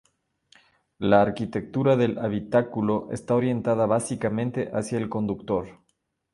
La arquitectura del habitáculo está orientada básicamente hacia el conductor.